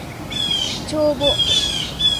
帳簿